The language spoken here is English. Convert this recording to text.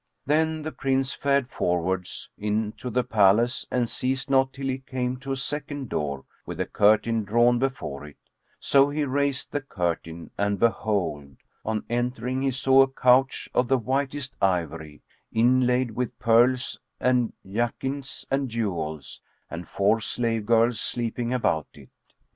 Then the Prince fared forwards into the palace and ceased not till he came to a second door, with a curtain drawn before it; so he raised the curtain and behold, on entering he saw a couch of the whitest ivory, inlaid with pearls and jacinths and jewels, and four slave girls sleeping about it.